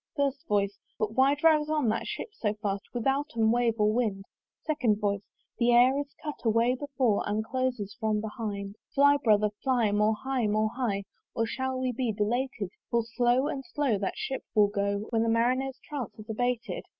FIRST VOICE. "But why drives on that ship so fast "Withouten wave or wind?" SECOND VOICE. "The air is cut away before, "And closes from behind. "Fly, brother, fly! more high, more high, "Or we shall be belated: "For slow and slow that ship will go, "When the Marinere's trance is abated."